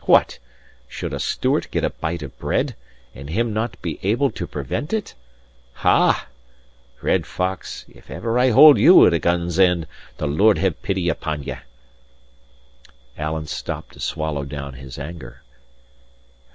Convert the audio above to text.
What! should a Stewart get a bite of bread, and him not be able to prevent it? Ah! Red Fox, if ever I hold you at a gun's end, the Lord have pity upon ye!" (Alan stopped to swallow down his anger.)